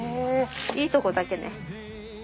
いいとこだけね。